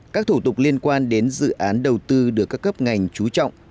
các thủ tục liên quan đến dự án đầu tư được các cấp ngành trú trọng